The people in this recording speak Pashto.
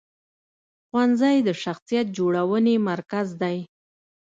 ښوونځی د شخصیت جوړونې مرکز دی.